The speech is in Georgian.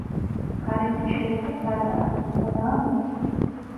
გარედან შენობა სადაა, ძუნწადაა მორთული.